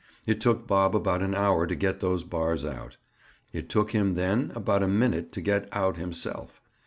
It took Bob about an hour to get those bars out; it took him, then, about a minute to get out himself.